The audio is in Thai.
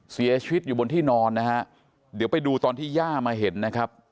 เสียชีวิตอยู่บนที่นอนนะฮะเดี๋ยวไปดูตอนที่ย่ามาเห็นนะครับ